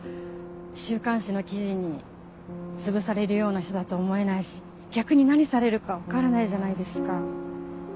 週刊誌の記事につぶされるような人だと思えないし逆に何されるか分からないじゃないですか。